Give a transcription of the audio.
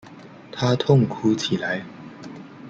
他痛哭起来